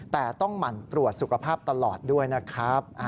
แต่ต้องหมั่นตรวจสุขภาพตลอดด้วยนะครับ